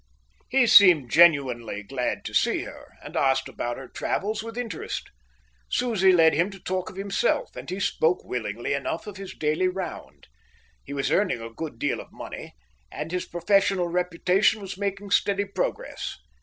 He seemed genuinely glad to see her and asked about her travels with interest. Susie led him to talk of himself, and he spoke willingly enough of his daily round. He was earning a good deal of money, and his professional reputation was making steady progress.